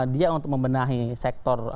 dia untuk membenahi sektor